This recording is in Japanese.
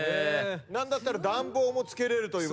なんだったら暖房もつけられる。